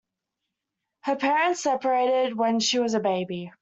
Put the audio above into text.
Her parents separated when she was a baby.